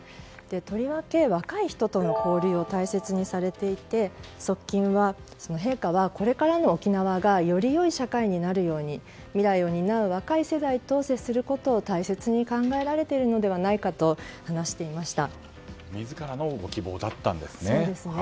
とりわけ若い人との交流を大切にされていて側近は陛下はこれからの沖縄がよりよい社会になるように未来を担う若い世代と接することを大切に考えられているのではないかと自らのご希望だったんですね。